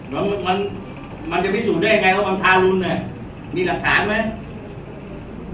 แล้วมันมันจะพิสูจน์ได้ยังไงว่ามันทารุนมีหลักฐานไหม